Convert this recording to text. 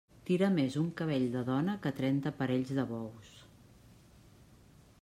Tira més un cabell de dona que trenta parells de bous.